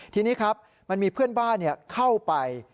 ทีนี้ครับมันมีเพื่อนบ้านเข้าไป